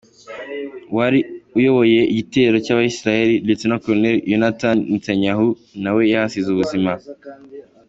Uwari ayoboye igitero, cy’Abayisirayeli, Lieutenant Colonel Yonatan Netanyahu, na we yahasize ubuzima.